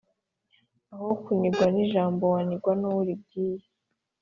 Aho kunigwa n’ijambo wanigwa n’uwo uribwiye.